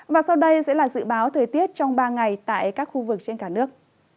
và sau đây sẽ là dự báo thời tiết trong ba ngày tại các khu vực trên cả nước